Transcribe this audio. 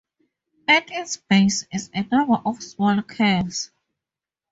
At its base is a number of small caves.